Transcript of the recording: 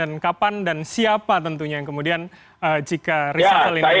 dan kapan dan siapa tentunya yang kemudian jika resafel ini terjadi